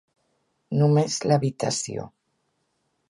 Només l'habitació.